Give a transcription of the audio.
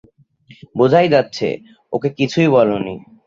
বোঝাই যাচ্ছে, ওকে কিছুই বলোনি।